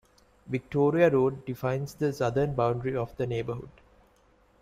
Victoria Road defines the southern boundary of the neighbourhood.